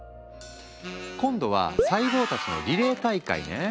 今度は細胞たちのリレー大会ね。